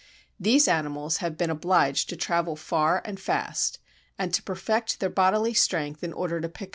These animals have been obliged to travel far and fast, and to perfect their bodily strength in order to pick up a living.